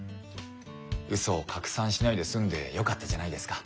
ウソを拡散しないで済んでよかったじゃないですか。